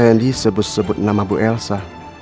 pak randy sebut sebut nama bu elsa